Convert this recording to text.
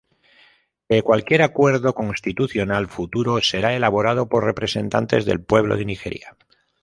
Que cualquier acuerdo constitucional futuro será elaborado por representantes del pueblo de Nigeria.